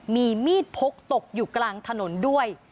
มีมีดพกตกอยู่กลางถนนด้วย